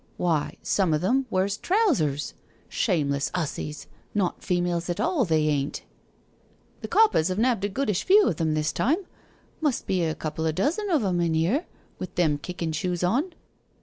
Why, some o' them wears trousers — ^shameless 'ussies, not females at all they ain't." " The coppers 'ave nabbed a goodish few of 'em this time— must be a couple o' dozen an' more in 'ere with them kickin' shoes on.